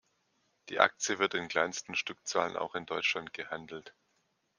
Die Aktie wird in kleinsten Stückzahlen auch in Deutschland gehandelt.